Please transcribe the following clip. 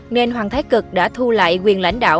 nên hoàng thái cực đã thu lại quyền lãnh đạo